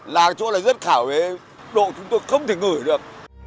là chỗ rất khảo với độ chúng tôi không thể ngửi được